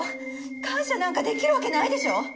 感謝なんか出来るわけないでしょ！